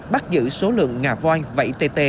bắt giữ số lượng ngà voi vẫy tê tê